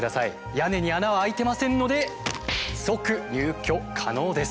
屋根に穴は開いてませんので即入居可能です。